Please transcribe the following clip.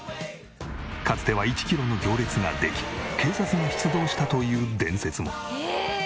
かつては１キロの行列ができ警察も出動したという伝説も。